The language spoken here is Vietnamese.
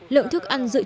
lượng thức ăn dự trị